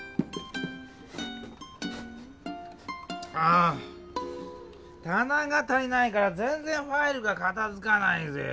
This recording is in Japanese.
あたなが足りないからぜんぜんファイルがかたづかないぜぇ。